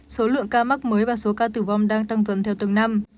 số lượng ca mắc mới và số ca tử vong đang tăng dần theo từng năm